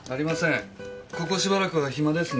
ここしばらくは暇ですねえ。